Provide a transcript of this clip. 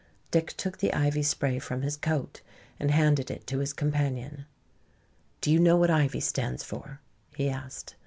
Dick took the ivy spray from his coat and handed it to his companion. "Do you know what ivy stands for?" he asked.